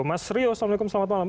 mas rio assalamualaikum selamat malam